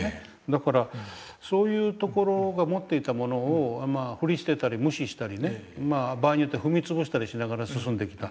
だからそういうところが持っていたものを振り捨てたり無視したりね場合によっては踏み潰したりしながら進んできた。